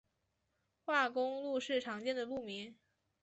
化工路是常见的路名。